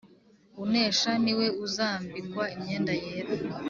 “Unesha ni we uzambikwa imyenda yera,